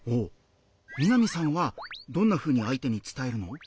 みなみさんはどんなふうに相手に伝えるの？